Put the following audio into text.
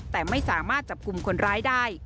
แต่ไม่สามารถจับกลุ่มคนร้ายได้